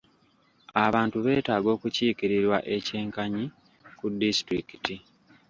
Abantu beetaaga okukiikirirwa eky'enkanyi ku disitulikiti .